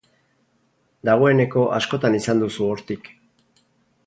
Dagoeneko askotan izan duzu hortik.